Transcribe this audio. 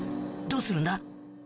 どうするんだ？